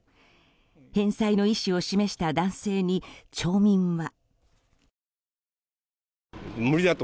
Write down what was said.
返済の意思を示した男性に町民は。